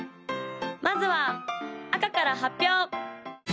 ・まずは赤から発表！